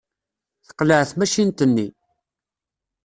Teqleɛ tmacint-nni.